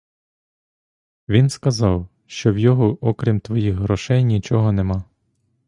Він сказав, що в його, окрім твоїх грошей, нічого нема.